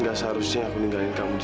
gak seharusnya aku meninggalin kamu